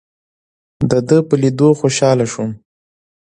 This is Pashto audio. دده په لیدو خوشاله شوم.